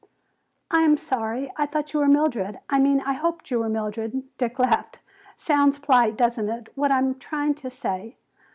"I am sorry. I thought you were Mildred. I mean, I hoped you were Mildred." Dick laughed. "Sounds polite, doesn't it, what I am trying to say?